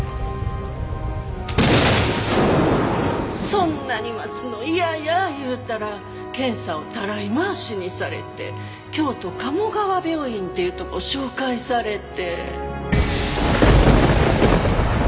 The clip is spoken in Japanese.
そんなに待つの嫌や言うたら検査をたらい回しにされて京都鴨川病院っていうとこ紹介されて。